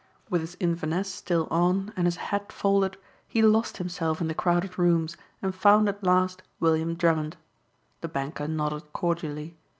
With his Inverness still on and his hat folded he lost himself in the crowded rooms and found at last William Drummond. The banker nodded cordially.